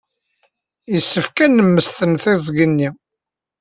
Yessefk ad nemmesten tiẓgi-nni.